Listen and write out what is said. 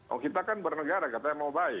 oh kita kan bernegara katanya mau baik